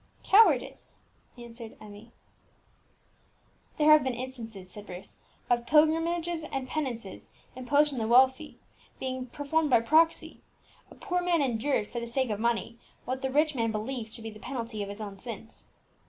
"Cowardice," answered Emmie. "There have been instances," said Bruce, "of pilgrimages and penances, imposed on the wealthy, being performed by proxy! A poor man endured, for the sake of money, what the rich man believed to be the penalty of his own sins.